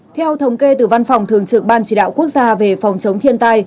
theo thống kê từ văn phòng thường trực ban chỉ đạo quốc gia về phòng chống thiên tai